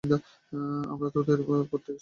আমরা তোদের পথ থেকে সরে দাঁড়াবো।